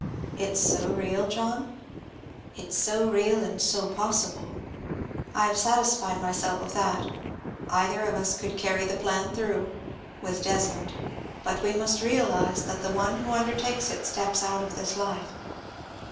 "It's so real, John?" "It's so real and so possible. I have satisfied myself of that. Either of us could carry the plan through, with Desmond; but we must realize that the one who undertakes it steps out of this life.